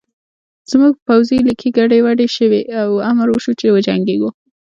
زموږ پوځي لیکې ګډې وډې شوې او امر وشو چې وجنګېږو